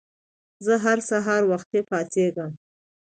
زه هر سهار وخته پاڅيږم